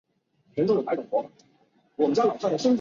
叶家家之间轰轰烈烈的爱情故事。